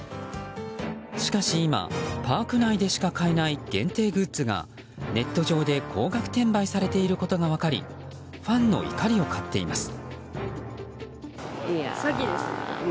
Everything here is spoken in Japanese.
しかし今パーク内でしか買えない限定グッズがネット上で高額転売されていることが分かりファンの怒りを買っています。